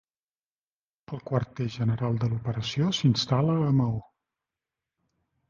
El Quarter General de l'operació s'instal·la a Maó.